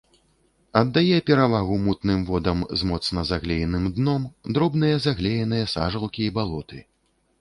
Аддае перавагу мутным водам з моцна заглееным дном, дробныя заглееныя сажалкі і балоты.